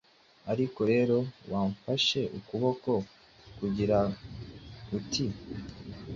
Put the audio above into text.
Ariko rero wamfashe ukuboko, uragira uti: "